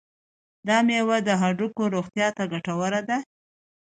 دا میوه د هډوکو روغتیا ته ګټوره ده.